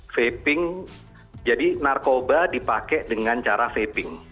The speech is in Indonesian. vaping jadi narkoba dipakai dengan cara vaping